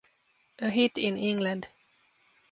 A hit in England.